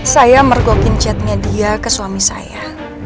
saya mergokin chatnya dia ke suami saya